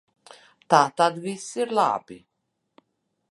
Tātad viss ir labi.